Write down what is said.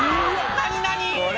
何何⁉」